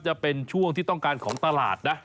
จะเป็นช่วงที่ต้องการของตลาดนะ